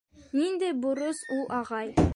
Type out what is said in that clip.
— Ниндәй бурыс ул, ағай?